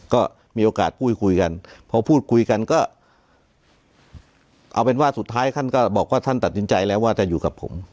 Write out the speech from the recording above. ก็มีโอกาสพูดคุยกันพอพูดคุยกันก็เอาเป็นว่าสุดท้ายท่านก็บอกว่าท่านตัดสินใจแล้วว่าจะอยู่กับผม